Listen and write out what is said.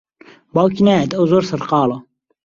باوکی نایەت، ئەو زۆر سەرقاڵە.